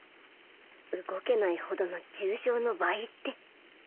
動けないほどの重傷の倍って。